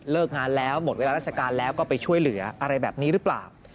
งานแล้วหมดเวลาราชการแล้วก็ไปช่วยเหลืออะไรแบบนี้หรือเปล่า